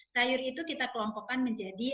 sayur itu kita kelompokkan menjadi